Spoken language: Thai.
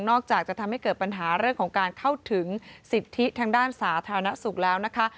อกจากจะทำให้เกิดปัญหาเรื่องของการเข้าถึงสิทธิทางด้านสาธารณสุขแล้วนะคะ